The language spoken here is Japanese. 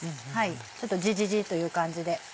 ちょっとジジジという感じで。